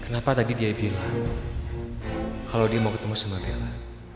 kenapa tadi dia bilang kalau dia mau ketemu sama bella